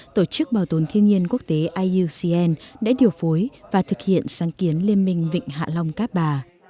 tổ chức bảo tồn thiên nhiên quốc tế iucn đã điều phối và thực hiện sáng kiến liên minh vịnh hạ long cát bà